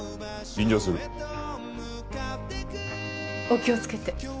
お気をつけて。